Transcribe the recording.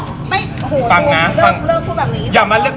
โหเริ่มพูดแบบนี้